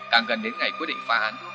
càng gần đến ngày quyết định phá án